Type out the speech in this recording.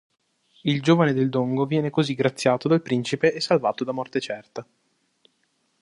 Il giovane del Dongo viene così graziato dal principe e salvato da morte certa.